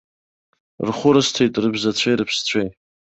Рхәы рысҭеит рыбзацәеи рыԥсцәеи.